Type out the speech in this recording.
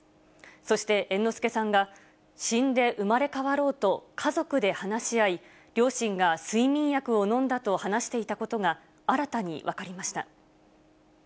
そして、猿之助さんが死んで生まれ変わろうと家族で話し合い両親が睡眠薬を飲んだと話していたことが新たに分かりました。